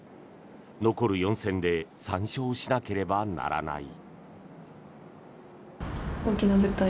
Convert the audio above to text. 残る４戦で３勝しなければならない。